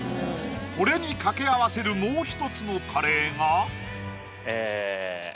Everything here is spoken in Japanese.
これに掛け合わせるもう一つのカレーがえ